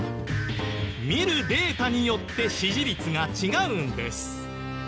見るデータによって支持率が違うんです。